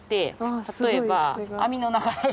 例えば網の中。